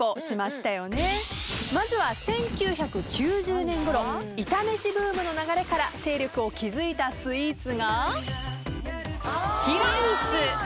まずは１９９０年ごろイタ飯ブームの流れから勢力を築いたスイーツが。